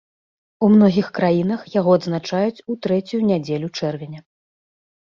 У многіх краінах яго адзначаюць у трэцюю нядзелю чэрвеня.